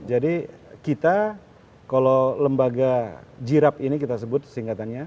kita kalau lembaga jirap ini kita sebut singkatannya